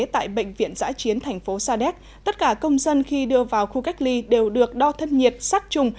tại bệnh viện giã chiến thành phố sa đéc tất cả công dân khi đưa vào khu cách ly đều được đo thân nhiệt sát trùng